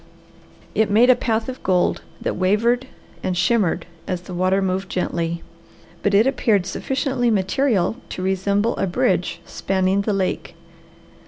It made a path of gold that wavered and shimmered as the water moved gently, but it appeared sufficiently material to resemble a bridge spanning the lake.